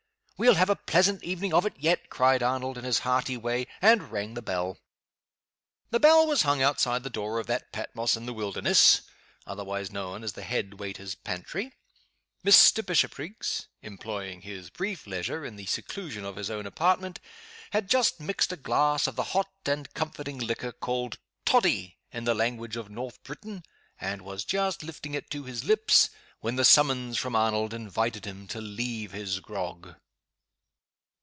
"We'll have a pleasant evening of it yet!" cried Arnold, in his hearty way and rang the bell. The bell was hung outside the door of that Patmos in the wilderness otherwise known as the head waiter's pantry. Mr. Bishopriggs (employing his brief leisure in the seclusion of his own apartment) had just mixed a glass of the hot and comforting liquor called "toddy" in the language of North Britain, and was just lifting it to his lips, when the summons from Arnold invited him to leave his grog.